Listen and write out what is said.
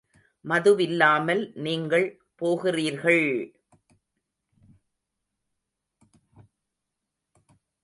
மதுவில்லாமல் நீங்கள் போகிறீர்கள்!